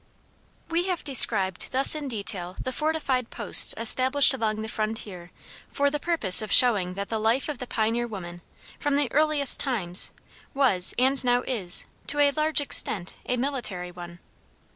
We have described thus in detail the fortified posts established along the frontier for the purpose of showing that the life of the pioneer woman, from the earliest times, was, and now is, to a large extent, a military one.